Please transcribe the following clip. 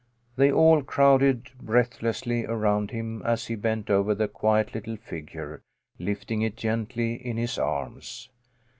They all crowded breath lessly around him as he bent over the quiet little figure, lifting it gently in his arms.